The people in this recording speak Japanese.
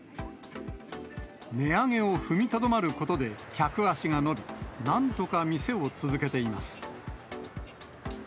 値上げを踏みとどまることで客足が伸び、なんとか店を続けています。